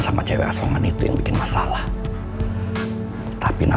sama cewek asuman itu yang bikin saya tenang